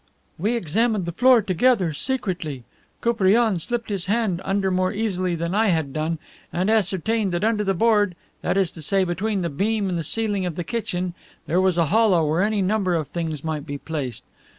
"We examined the floor together, secretly. Koupriane slipped his hand under more easily than I had done, and ascertained that under the board, that is to say between the beam and the ceiling of the kitchen, there was a hollow where any number of things might be placed.